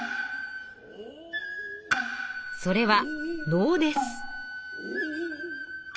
それは能です。